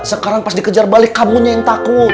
sekarang pas dikejar balik kamu nya yang takut